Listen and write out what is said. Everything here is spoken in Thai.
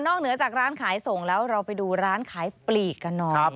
เหนือจากร้านขายส่งแล้วเราไปดูร้านขายปลีกกันหน่อย